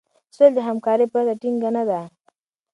سوله د همکارۍ پرته ټينګه نه ده.